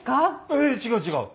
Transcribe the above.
えっ違う違う！